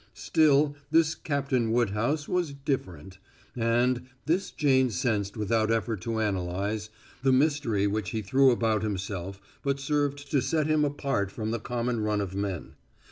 Still, this Captain Woodhouse was "different," and this Jane sensed without effort to analyze the mystery which he threw about himself but served to set him apart from the common run of men.